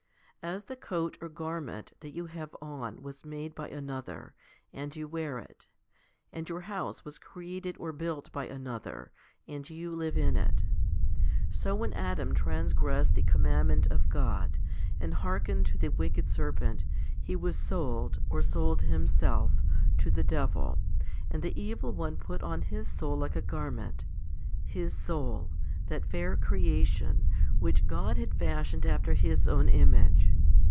As the coat or garment that you have on was made by another, and you wear it, and your house was created or built by another, and you live in it, so when Adam transgressed the commandment of God, and hearkened to the wicked serpent, he was sold, or sold himself, to the devil, and the evil one put on his soul like a garment his soul, that fair 1 Gal. vi. 14. HOMILY I 7 creation, which God had fashioned after His own image.